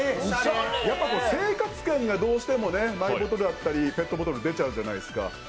生活感が、どうしてもマイボトルだったりペットボトルは出ちゃうじゃないですか。